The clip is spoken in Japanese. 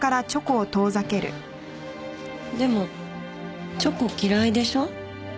でもチョコ嫌いでしょ？